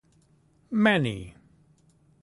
Manny.